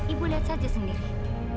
ibu lihat saja sendiri